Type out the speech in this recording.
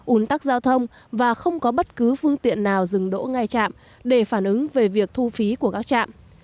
ủn tắc giao thông và không có bất cứ phương tiện nào dừng đỗ ngay trạm để phản ứng về việc thu phí của các trạm